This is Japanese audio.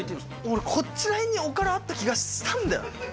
俺こっちら辺におからあった気がしたんだよ。